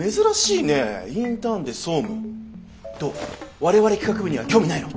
我々企画部には興味ないの？